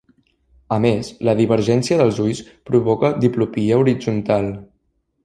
A més, la divergència dels ulls provoca diplopia horitzontal.